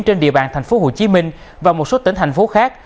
trên địa bàn thành phố hồ chí minh và một số tỉnh thành phố khác